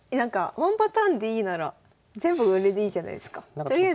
ワンパターンでいいなら全部これでいいじゃないですか。